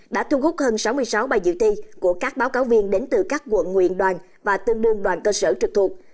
đã thu hút hơn sáu mươi sáu bài dự thi của các báo cáo viên đến từ các quận nguyện đoàn và tương đương đoàn cơ sở trực thuộc